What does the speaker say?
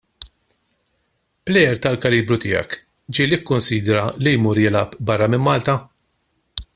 Plejer tal-kalibru tiegħek ġieli kkunsidra li jmur jilgħab barra minn Malta?